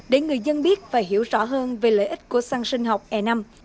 để người dân biết và hiểu rõ hơn về lợi ích của săn sinh học e năm